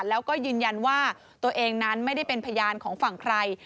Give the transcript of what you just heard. แล้วก็ยืนยันว่าตัวเองนั้นไม่ได้เป็นพยานของฝั่งใคร